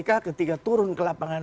oke kedua kpk ketika turun ke lapangan ini